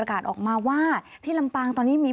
พูดว่าโอ้โหใช้คำนี้เลยแทบจะร้องไห้